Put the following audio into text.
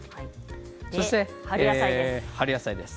そして春野菜です。